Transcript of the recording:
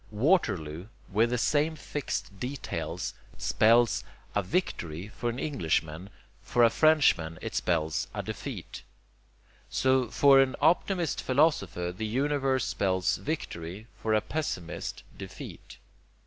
'Waterloo,' with the same fixed details, spells a 'victory' for an englishman; for a frenchman it spells a 'defeat.' So, for an optimist philosopher the universe spells victory, for a pessimist, defeat.